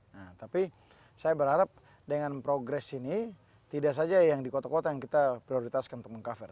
nah tapi saya berharap dengan progres ini tidak saja yang di kota kota yang kita prioritaskan untuk meng cover